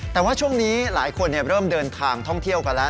แต่ว่าช่วงนี้หลายคนเริ่มเดินทางท่องเที่ยวกันแล้ว